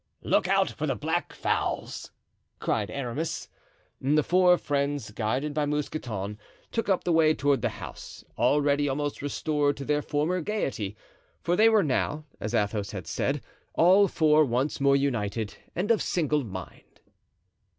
"Look out for the black fowls!" cried Aramis. And the four friends, guided by Mousqueton, took up the way toward the house, already almost restored to their former gayety; for they were now, as Athos had said, all four once more united and of single mind.